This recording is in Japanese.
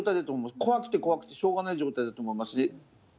怖くて怖くてしょうがない状態だと思います。